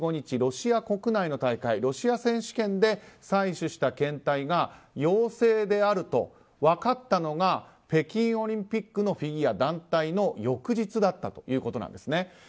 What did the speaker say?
ロシア国内の大会ロシア選手権で採取した検体が陽性であると分かったのが北京オリンピックのフィギュア団体の翌日だったということなんです。